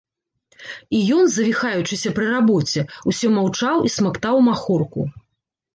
І ён, завіхаючыся пры рабоце, усё маўчаў і смактаў махорку.